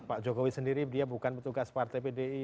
pak jokowi sendiri dia bukan petugas partai pdi